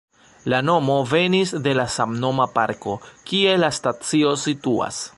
La nomo venis de la samnoma parko, kie la stacio situas.